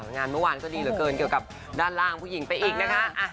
งานเมื่อวานก็ดีเหลือเกินเกี่ยวกับด้านล่างผู้หญิงไปอีกนะคะ